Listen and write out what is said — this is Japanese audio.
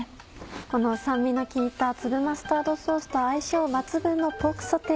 この酸味の効いた粒マスタードソースと相性抜群のポークソテー。